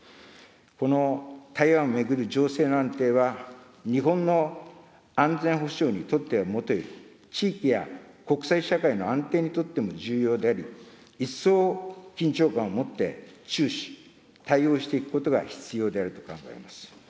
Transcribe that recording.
この台湾を巡る情勢の安定は、日本の安全保障にとってはもとより、地域や国際社会の安定にとっても重要であり、一層緊張感をもって注視、対応していくことが必要であると考えます。